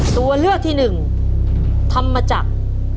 ตัวเลือกที่หนึ่งธรรมจักร